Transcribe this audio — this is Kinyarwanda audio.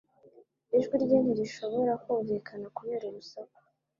Ijwi rye ntirishobora kumvikana kubera urusaku